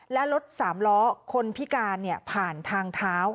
และรถสามล้อคนพิการผ่านทางเท้า